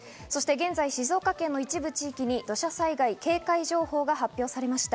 現在、静岡県の一部地域に土砂災害警戒情報が発表されました。